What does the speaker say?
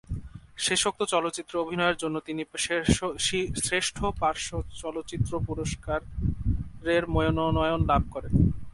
শেষোক্ত চলচ্চিত্রে অভিনয়ের জন্য তিনি শ্রেষ্ঠ পার্শ্ব অভিনেতা বিভাগে একাডেমি পুরস্কারের মনোনয়ন লাভ করেন।